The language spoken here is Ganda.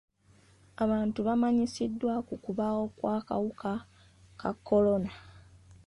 Abantu bamanyisiddwa ku kubaawo kw'akawuka ka kolona.